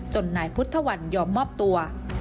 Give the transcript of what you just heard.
นายพุทธวันยอมมอบตัว